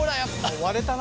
割れたな。